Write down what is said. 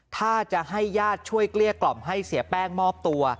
ถ้าจะให้ญาติช่วยเกลี้ยกล่อมให้เสียแป้งมอบตัว